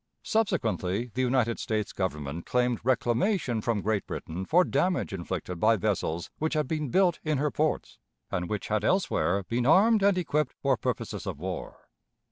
Subsequently the United States Government claimed reclamation from Great Britain for damage inflicted by vessels which had been built in her ports, and which had elsewhere been armed and equipped for purposes of war.